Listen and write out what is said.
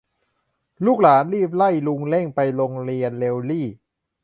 ลูกหลานรีบไล่ลุงเร่งไปโรงเรียนเร็วรี่